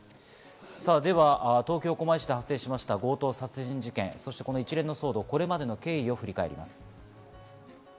東京・狛江市で発生した強盗殺人事件、そしてこの一連の騒動、これまでの経緯を振り返ります。